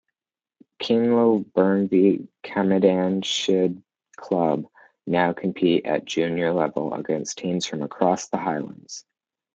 Kinlochbervie Camanachd Club now compete at junior level against teams from across the Highlands.